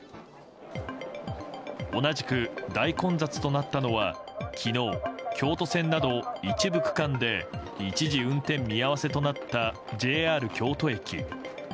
同じく大混雑となったのは昨日、京都線など一部区間で一時運転見合わせとなったＪＲ京都駅。